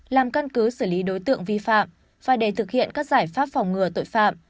làm căn cứ xử lý đối tượng vi phạm và để thực hiện các giải pháp phòng ngừa tội phạm